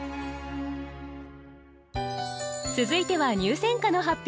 続いては入選歌の発表。